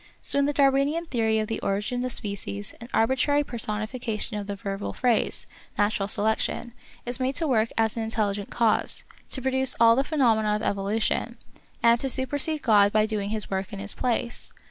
So in the Darwinian theory of the Origin of Species an arbitrary personification of the verbal phrase, Natural Selection, is made to work as an intelligent cause, to produce all the phenomena of evolution, and to supersede God by doing his work in his place